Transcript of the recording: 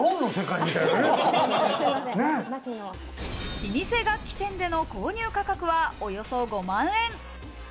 老舗楽器店での購入価格はおよそ５万円。